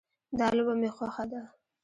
دا لوبه مې خوښه ده